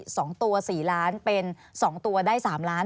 สองตัวสี่ล้านเป็นสองตัวได้สามล้าน